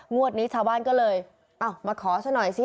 งวดนี้ชาวบ้านก็เลยเอามาขอซะหน่อยสิ